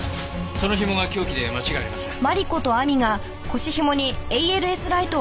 その紐が凶器で間違いありません。